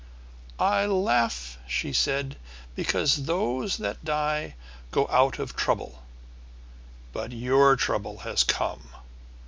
"I laugh," she said, "because those that die go out of trouble, but your trouble has come.